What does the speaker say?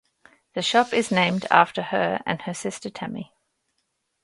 The shop is named after her and her sister Tammy.